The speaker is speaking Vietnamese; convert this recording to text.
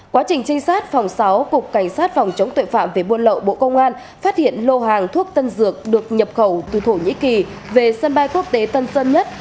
quá trình trinh sát phòng sáu cục cảnh sát phòng chống tội phạm về buôn lậu bộ công an phát hiện lô hàng thuốc tân dược được nhập khẩu từ thổ nhĩ kỳ về sân bay quốc tế tân sơn nhất